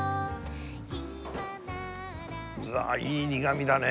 うわあいい苦みだね！